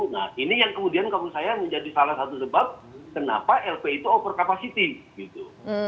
nah ini yang kemudian kalau menurut saya menjadi salah satu sebab kenapa lp itu over capacity gitu